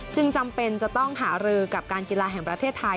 จำเป็นจะต้องหารือกับการกีฬาแห่งประเทศไทย